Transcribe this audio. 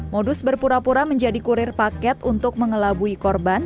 modus berpura pura menjadi kurir paket untuk mengelabui korban